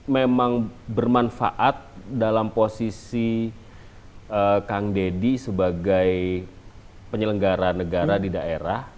memang bermanfaat dalam posisi kang deddy sebagai penyelenggara negara di daerah